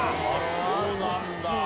そうなんだ！